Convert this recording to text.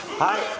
はい。